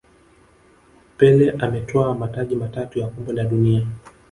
pele ametwaa mataji matatu ya kombe la dunia